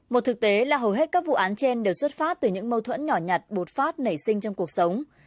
một thực tế là hầu hết các vụ án trên đều xuất phát từ những mâu thuẫn nhỏ nhặt bột phát nảy sinh trong cuộc sống